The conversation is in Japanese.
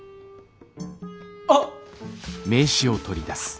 あっ。